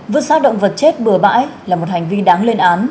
vượt xác động vật chết bừa bãi là một hành vi đáng lên án